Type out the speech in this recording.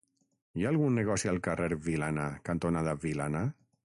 Hi ha algun negoci al carrer Vilana cantonada Vilana?